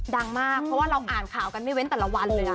ดังมากเพราะว่าเราอ่านข่าวกันไม่เว้นแต่ละวันเลย